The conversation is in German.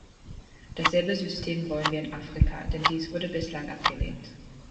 Dasselbe System wollen wir in Afrika, denn dies wurde bislang abgelehnt.